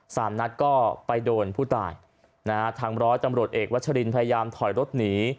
สามนัดก็ไปโดนผู้ตายนะฮะทางร้อยตำรวจเอกวัชรินพยายามถอยรถหนี